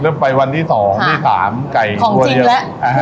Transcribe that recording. เริ่มไปวันที่สองที่สามไก่ของจริงแล้วฮะ